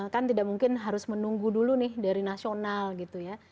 kan tidak mungkin harus menunggu dulu nih dari nasional gitu ya